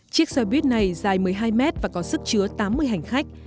chiếc xe buýt này dài một mươi hai mét và có sức chứa tám mươi hành khách